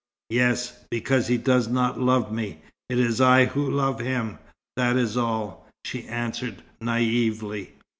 "Yes, because he does not love me. It is I who love him, that is all," she answered naïvely.